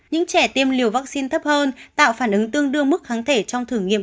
những trẻ tiêm liều vắc xin thấp hơn tạo phản ứng tương đương mức kháng thể trong thử nghiệm